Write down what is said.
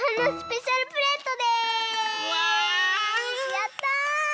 やった！